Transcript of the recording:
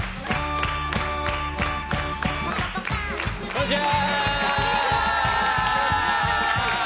こんにちは。